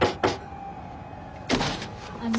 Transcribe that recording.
あの。